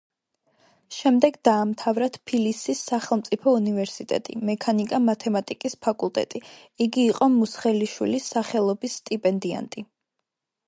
შემდეგ დაამთავრა თბილისის სახელმწიფო უნივერსიტეტი, მექანიკა-მათემატიკის ფაკულტეტი, იგი იყო მუსხელიშვილის სახელობის სტიპენდიანტი.